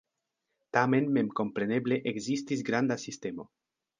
Tamen memkompreneble ekzistis granda sistemo.